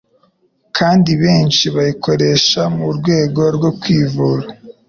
kandi benshi bayikoresha mu rwego rwo kwivura